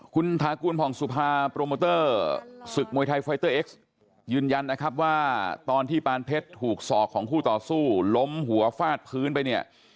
คุณทากูลผ่องสุภาโปรโมเตอร์ศึกมวยไทยไฟเตอร์เอ็กซ์ยืนยันนะครับว่าตอนที่ปานเพชรถูกสอกของคู่ต่อสู้ล้มหัวฟาดพื้นไปเนี่ย